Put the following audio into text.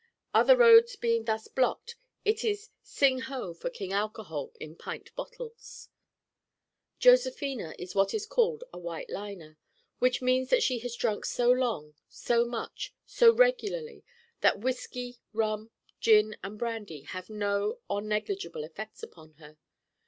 Other roads being thus blocked it is sing ho for King Alcohol in pint bottles. Josephina is what is called a white liner. Which means that she has drunk so long, so much, so regularly that whiskey, rum, gin and brandy have no or negligible effects upon her.